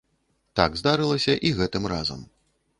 Так здарылася і гэтым разам.